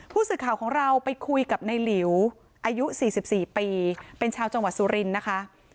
ผู้สื่อข่าวของเราไปคุยกับในหลิวอายุ๔๔ปีเป็นชาวจังหวัดสุรินทร์นะคะ